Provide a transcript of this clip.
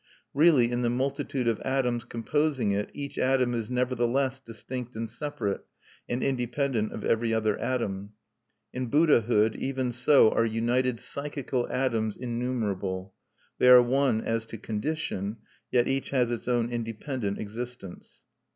Really in the multitude of atoms composing it each atom is nevertheless distinct and separate, and independent of every other atom. In Buddhahood even so are united psychical atoms innumerable. They are one as to condition; yet each has its own independent existence."